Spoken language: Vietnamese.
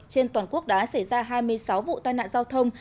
trên toàn quốc đã xảy ra hai mươi sáu vụ tai nạn giao thông